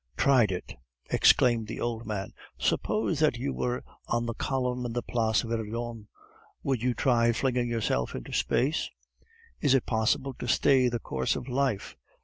"Tried it!" exclaimed the old man. "Suppose that you were on the column in the Place Vendome, would you try flinging yourself into space? Is it possible to stay the course of life?